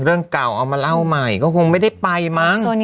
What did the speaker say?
เรื่องเก่าเอามาเล่าใหม่ก็คงไม่ได้ไปมั้ง